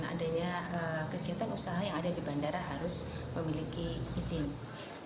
adanya kegiatan usaha yang ada di bandara harus memiliki izin